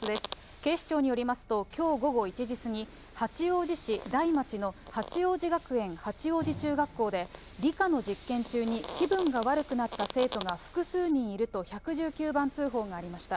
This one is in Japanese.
警視庁によりますと、きょう午後１時過ぎ、八王子市だいまちの八王子学園八王子中学校で、理科の実験中に気分が悪くなった生徒が複数人いると１１９番通報がありました。